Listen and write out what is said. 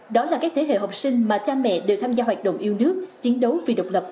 đó là các thế hệ học sinh mà cha mẹ đều tham gia hoạt động yêu nước chiến đấu vì độc lập